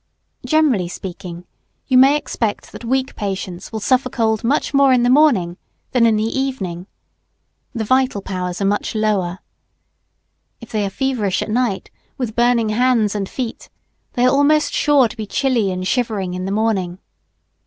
Generally speaking, you may expect that weak patients will suffer cold much more in the morning than in the evening. The vital powers are much lower. If they are feverish at night, with burning hands and feet, they are almost sure to be chilly and shivering in the morning.